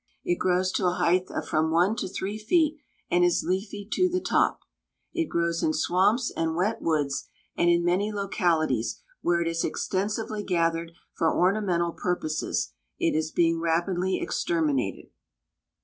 It grows to a height of from one to three feet, and is leafy to the top. It grows in swamps and wet woods, and in many localities where it is extensively gathered for ornamental purposes it is being rapidly exterminated.